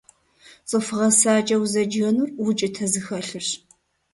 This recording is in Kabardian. ЦӀыху гъэсакӀэ узэджэнур укӀытэ зыхэлъырщ.